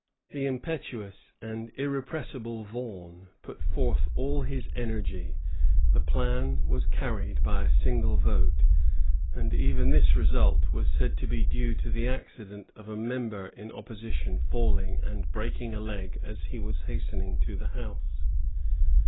The impetuous and irrepressible Vaughan put forth all his energy; the plan was carried by a single vote. And even this result was said to be due to the accident of a member in opposition falling and breaking a leg as he was hastening to the House.